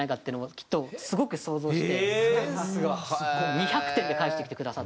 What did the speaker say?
２００点で返してきてくださって。